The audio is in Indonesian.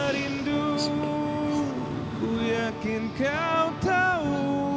tentu kau akan mencintai aku